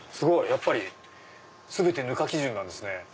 やっぱり全てぬか基準なんですね。